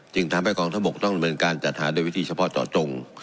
จึงทำให้กองทบกต้องเป็นการจัดหาด้วยวิธีเฉพาะต่อตรง